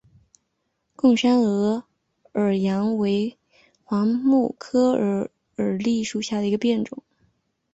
贡山鹅耳杨为桦木科鹅耳枥属下的一个变种。